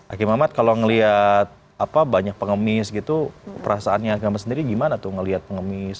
aki mamat kalau ngeliat apa banyak pengemis gitu perasaannya agama sendiri gimana tuh ngelihat pengemis